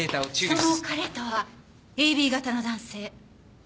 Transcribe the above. その彼とはＡＢ型の男性。